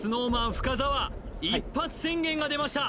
深澤一発宣言が出ました